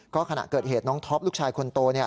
ก็ขณะเกิดเหตุน้องท็อปลูกชายคนโต